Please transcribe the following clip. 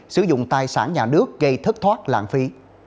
sử dụng tài sản nhà nước gây thất thoát lãng phí